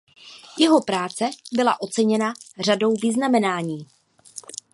Jeho práce byla oceněna řadou vyznamenání.